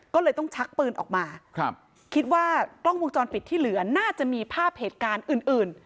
ก็เลยต้องชักปืนออกมาครับคิดว่ากล้องวงจรปิดที่เหลือน่าจะมีภาพเหตุการณ์อื่นอื่น